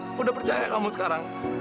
aku udah percaya kamu sekarang